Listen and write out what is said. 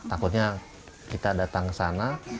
takutnya kita datang ke sana